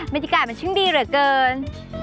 บรรยากาศมันช่างดีเหลือเกิน